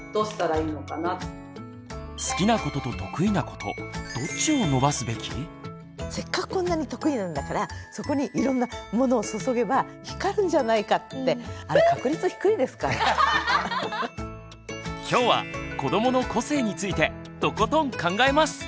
「子どもの個性」を伸ばすにはせっかくこんなに得意なんだからそこにいろんなものを注げば光るんじゃないかってあれきょうは「子どもの個性」についてとことん考えます！